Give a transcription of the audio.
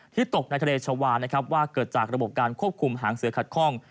ตกในทะเลชาวานะครับว่าเกิดจากระบบการควบคุมหางเสือขัดข้อง